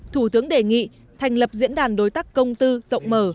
thủ tướng đề nghị thành lập diễn đàn đối tác công tư rộng mở